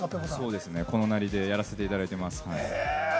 そうですね、このなりでやらせていただいています。